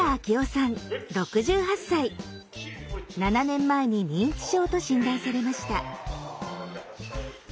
７年前に認知症と診断されました。